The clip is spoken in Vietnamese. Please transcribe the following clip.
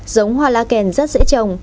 giống hoa loa kèn rất dễ trồng